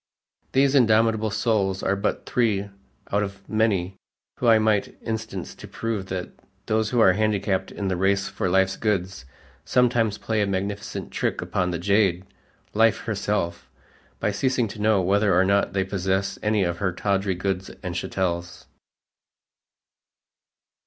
These indomitable souls are but three out of many whom I might instance to prove that those who are handicapped in the race for life's goods, sometimes play a magnificent trick upon the jade, life herself, by ceasing to know whether or not they possess any of her tawdry goods and chattels.